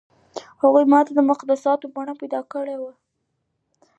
هغو ماته د مقدساتو بڼه پیدا کړې وه.